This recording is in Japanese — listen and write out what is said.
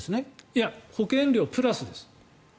いや、保険料プラスです。